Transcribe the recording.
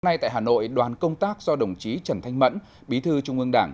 hôm nay tại hà nội đoàn công tác do đồng chí trần thanh mẫn bí thư trung ương đảng